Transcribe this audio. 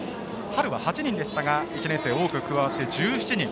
春は８人でしたが１年生が多く加わって１７人。